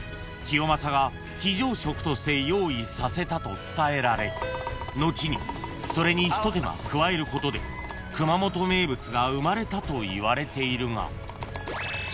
［用意させたと伝えられ後にそれにひと手間加えることで熊本名物が生まれたといわれているが］